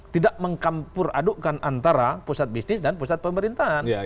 tidak mengkampur adukkan antara pusat bisnis dan pusat pemerintahan